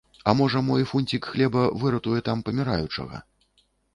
А можа, мой фунцiк хлеба выратуе там памiраючага...